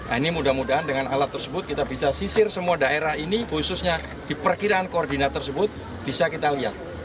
nah ini mudah mudahan dengan alat tersebut kita bisa sisir semua daerah ini khususnya di perkiraan koordinat tersebut bisa kita lihat